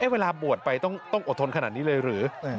เวลาบวชไปต้องอดทนขนาดนี้เลยหรือ